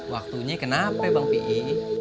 waktunya kenapa bang pi